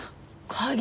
鍵？